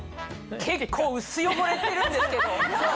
結構薄汚れてるんですけど。